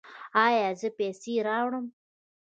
ایا زه پیسې راوړم؟